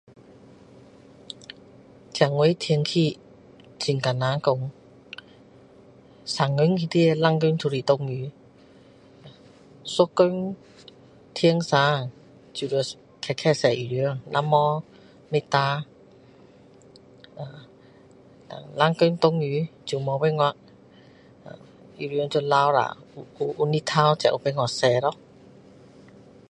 现在天气很困难讲三天里面两天都是下雨一天天热就要快快洗衣服要没不干呃然后两天下雨就没办法呃衣服要留下有有太阳才有办法洗咯